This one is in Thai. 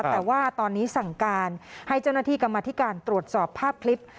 แต่ว่าตอนนี้สั่งการให้เจ้าหน้าที่กรรมธิการตรวจสอบภาพคลิป